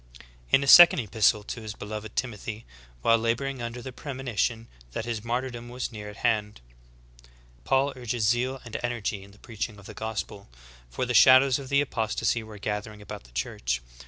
In a second epistle to his beloved Timothy, while laboring under the premonition that his martyrdom was near at hand, Paul urges zeal and energy in the preaching of the gospel ; for the shadows of the apostasy were gathering about the Church.